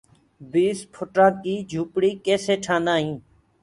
بِيس ڦُٽآنٚ ڪي جُهوپڙي ڪيسي ٺآندآ هينٚ۔